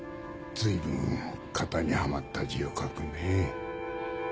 ずいぶん型にはまった字を書くね。